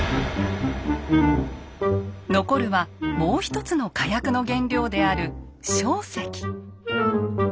残るはもう一つの火薬の原料である硝石。